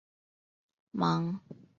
芒泰埃人口变化图示